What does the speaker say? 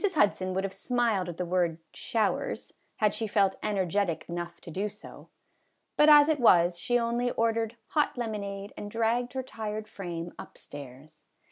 Hudson would have smiled at the word " showers " had she felt energetic enough to do so ; but as it was, she only ordered hot lemonade and dragged her tired frame up stairs.